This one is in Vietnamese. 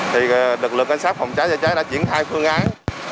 thì lực lượng cảnh sát phòng cháy và cháy đã triển thai phương án